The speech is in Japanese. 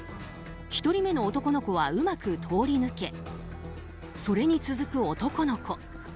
１人目の男の子はうまく通り抜けそれに続く男の子。